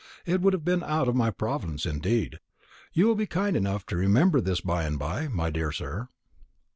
It would have been out of my province, indeed. You will be kind enough to remember this by and by, my dear sir."